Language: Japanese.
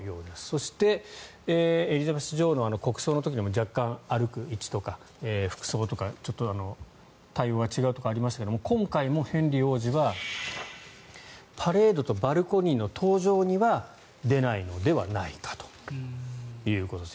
そしてエリザベス女王の国葬の時にも若干、歩く位置とか服装とか、ちょっと対応が違うとかありましたが今回もヘンリー王子はパレードとバルコニーの登場には出ないのではないかということです。